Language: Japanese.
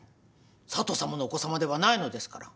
佐都さまのお子さまではないのですから。